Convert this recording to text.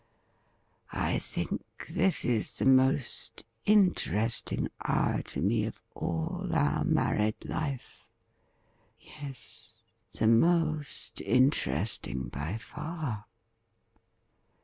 I think this is the most interesting hour to me of all our married life — yes, the most interesting by far.